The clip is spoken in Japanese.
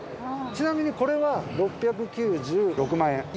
ちなみにこれは６９６万円。